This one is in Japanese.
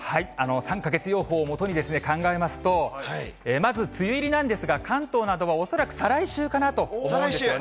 ３か月予報をもとに考えますと、まず梅雨入りなんですが、関東などは恐らく再来週かなと思再来週？